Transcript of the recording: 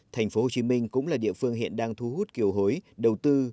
tp hcm cũng là địa phương hiện đang thu hút kiều hối đầu tư